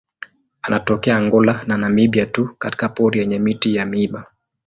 Anatokea Angola na Namibia tu katika pori yenye miti ya miiba.